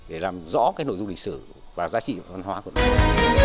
để làm rõ cái nội dung lịch sử và giá trị văn hóa của nó